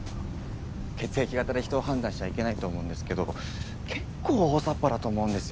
血液型で人を判断しちゃいけないと思うんですけど結構大ざっぱだと思うんですよ。